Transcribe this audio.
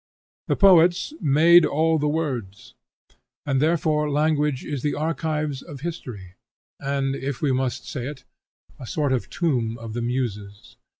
The poets made all the words, and therefore language is the archives of history, and, if we must say it, a sort of tomb of the muses.